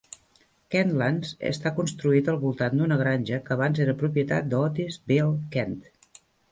Kentlands està construït al voltant d'una granja que abans era propietat d'Otis Beall Kent.